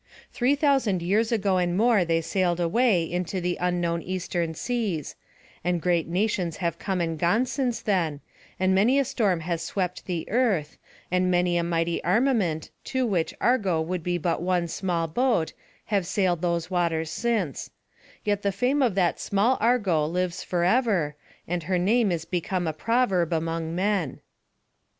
Three thousand years ago and more they sailed away, into the unknown Eastern seas; and great nations have come and gone since then, and many a storm has swept the earth; and many a mighty armament, to which Argo would be but one small boat, have sailed those waters since; yet the fame of that small Argo lives forever, and her name is become a proverb among men.